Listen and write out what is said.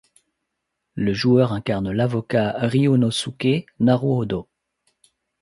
Le joueur incarne l'avocat Ryūnosuke Naruhodō.